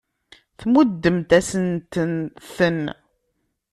Tmuddemt-asent-ten.